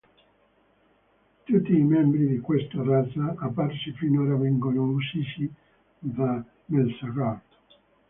Tutti i membri di questa razza apparsi finora vengono uccisi da Melzargard.